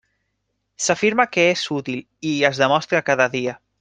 S'afirma que és útil, i es demostra cada dia.